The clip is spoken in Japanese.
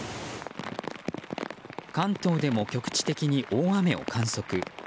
関東でも局地的に大雨を観測。